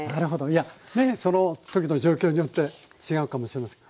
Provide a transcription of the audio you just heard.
いやねその時の状況によって違うかもしれません。